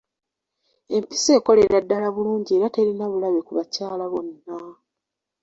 Empiso ekolera ddala bulungi era terina bulabe ku bakyala bonna.